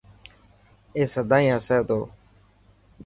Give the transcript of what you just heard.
اي سداين هسي تو.